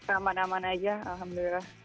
aman aman aja alhamdulillah